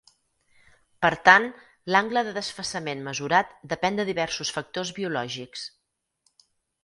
Per tant, l'angle de desfasament mesurat depèn de diversos factors biològics.